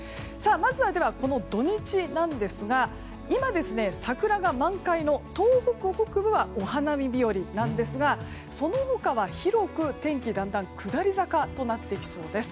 まずは土日なんですが今、桜が満開の東北北部はお花見日和なんですがその他は広く天気、だんだん下り坂となってきそうです。